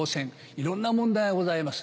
いろんな問題がございます。